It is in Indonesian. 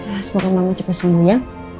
ya semoga mama cepat sembuh ya